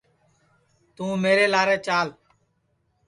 توں میرے لارے چال